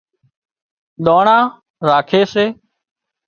ۮانڻا راکي سي